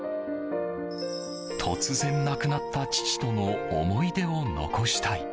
突然、亡くなった父との思い出を残したい。